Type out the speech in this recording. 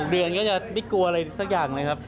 เดือนก็จะได้กลัวอะไรสักอย่างเลยครับ